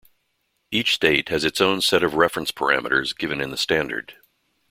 Each state has its own set of reference parameters given in the standard.